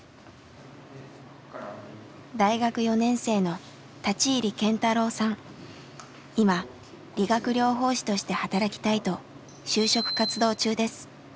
大学４年生の今理学療法士として働きたいと就職活動中です。